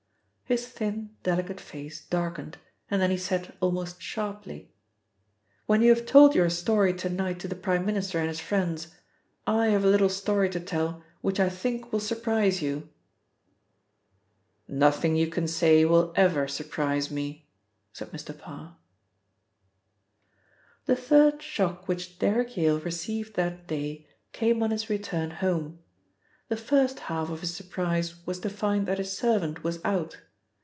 His thin, delicate face darkened, and then he said almost sharply: "When you have told your story to night to the Prime Minister and his friends, I have a little story to tell which I think will surprise you." "Nothing you can say will ever surprise me," said Mr Parr. The third shock which Derrick Yale received that day came on his return home. The first half of his surprise was to find that his servant was out.